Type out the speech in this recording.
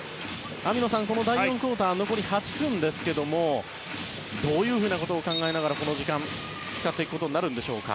網野さん、第４クオーターは残り８分ですがどういうふうなことを考えながらこの時間使っていくことになるでしょう。